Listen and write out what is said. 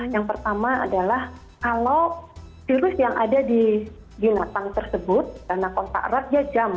yang pertama adalah kalau virus yang ada di binatang tersebut karena kontak erat dia jam